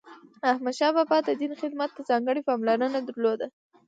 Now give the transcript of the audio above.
احمدشاه بابا د دین خدمت ته ځانګړی پاملرنه درلوده.